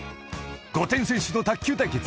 ［５点先取の卓球対決